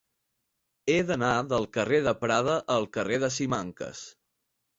He d'anar del carrer de Prada al carrer de Simancas.